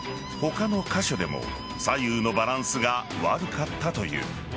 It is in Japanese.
他の箇所でも左右のバランスが悪かったという。